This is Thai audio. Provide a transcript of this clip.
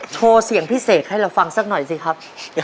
โชว์เสียงพิเศษให้เราฟังสักหน่อยสิครับ